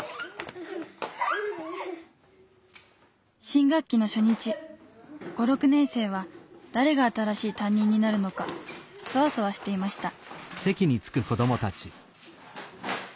新学期の初日５６年生は誰が新しい担任になるのかソワソワしていました。